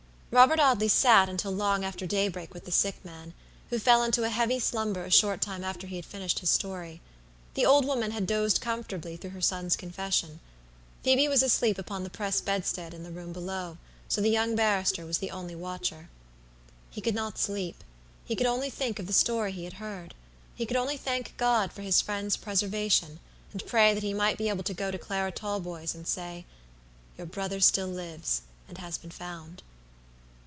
Robert Audley sat until long after daybreak with the sick man, who fell into a heavy slumber a short time after he had finished his story. The old woman had dozed comfortably throughout her son's confession. Phoebe was asleep upon the press bedstead in the room below; so the young barrister was the only watcher. He could not sleep; he could only think of the story he had heard. He could only thank God for his friend's preservation, and pray that he might be able to go to Clara Talboys, and say, "Your brother still lives, and has been found."